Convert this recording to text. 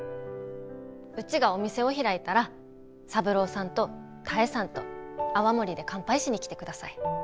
うちがお店を開いたら三郎さんと多江さんと泡盛で乾杯しに来てください。